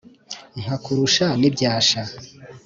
nkakurusha n'ibyasha,